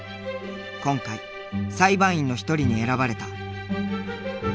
今回裁判員の一人に選ばれた。